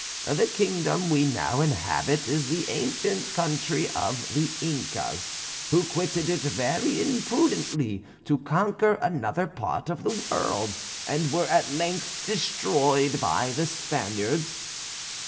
The kingdom we now inhabit is the ancient country of the Incas, who quitted it very imprudently to conquer another part of the world, and were at length destroyed by the Spaniards.